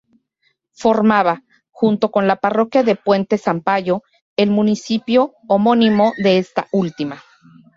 Formaba, junto con la parroquia de Puente Sampayo, el municipio homónimo de esta última.